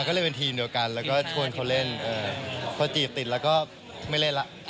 ก็เลยเป็นทีมเดียวกันแล้วก็ชวนเขาเล่นพอจีบติดแล้วก็ไม่เล่นแล้ว